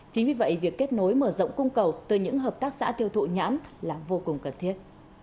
chính vì vậy việc kết nối mở rộng cung cầu từ những hợp tác xã tiêu thụ nhãn là vô cùng cần thiết